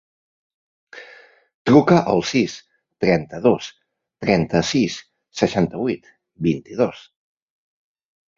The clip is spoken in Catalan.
Truca al sis, trenta-dos, trenta-sis, seixanta-vuit, vint-i-dos.